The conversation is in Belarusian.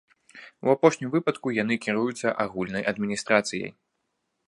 У апошнім выпадку яны кіруюцца агульнай адміністрацыяй.